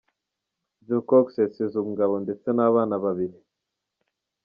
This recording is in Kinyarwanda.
Jo Cox yasize umugabo ndetse n’abana babiri.